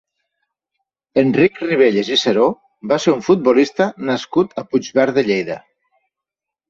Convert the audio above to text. Enric Ribelles i Seró va ser un futbolista nascut a Puigverd de Lleida.